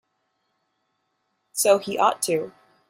So he ought to.